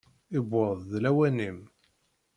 Yewweḍ-d lawan-im!